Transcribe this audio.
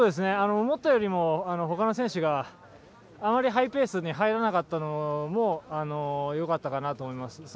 思ったよりもほかの選手があまりハイペースに入らなかったのもよかったかなと思います。